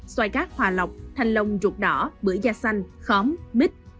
xoài cát hòa lọc thanh lông ruột đỏ bưởi da xanh khóm mít